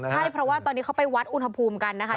ใช่เพราะว่าตอนนี้เขาไปวัดอุณหภูมิกันนะคะ